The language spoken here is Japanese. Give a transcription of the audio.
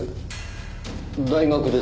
大学です。